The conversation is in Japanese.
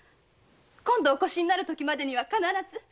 今度お越しになるときまでには必ず。